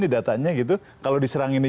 di datanya gitu kalau diserang ini